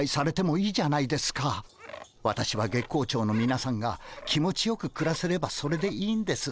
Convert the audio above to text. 私は月光町のみなさんが気持ちよくくらせればそれでいいんです。